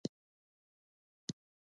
دوبۍ ته د راتګ په دوهمه ورځ.